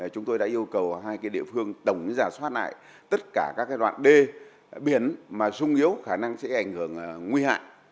chúng tôi đã yêu cầu hai địa phương tổng giả soát lại tất cả các đoạn đê biển mà sung yếu khả năng sẽ ảnh hưởng nguy hại